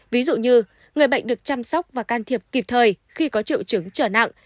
ví dụ như người bệnh được chăm sóc và can thiệp kịp thời khi có triệu chứng trở nặng